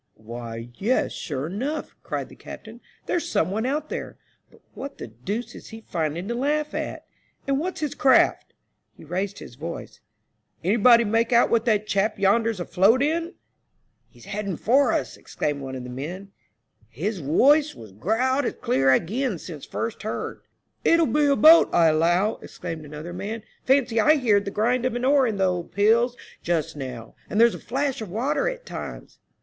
Why, yes; sure enough," cried the captain, "there's some one out there ; but what the deuce is he finding to laugh at, and what's his craft ?" He raised his voice. " Anybody make out what that chap yonder's afloat in?" "He's heading for us," exclaimed one of the men, "his woice has growed as clear ag'in since first heard." AN OCEAN MYSTERY. 223 ''It'll be a boat, I allow/' exclaimed another man; fancy I beerd the grind of an oar in thole pins just now, and there's a flash of water at times."